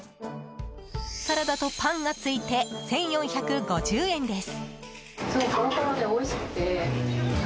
サラダとパンが付いて１４５０円です。